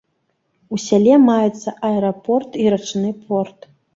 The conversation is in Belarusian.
У сяле маюцца аэрапорт і рачны порт.